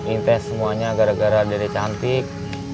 ini teh semuanya gara gara dede cantik